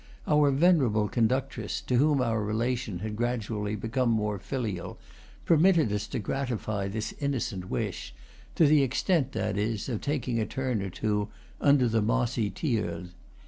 Our venerable conductress, to whom our relation had gradually become more filial, per mitted us to gratify this innocent wish, to the extent, that is, of taking a turn or two under the mossy _tilleuls.